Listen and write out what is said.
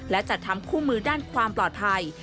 และจัดทำคู่มือด้านความปลอดภัย